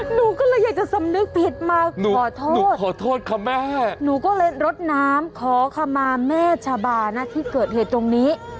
หนูก็เลยอยากจะสำนึกผิดมาขอโทษหนูขอโทษค่ะแม่หนูก็เลยรดน้ำขอขมาแม่ชาบานะที่เกิดเหตุตรงนี้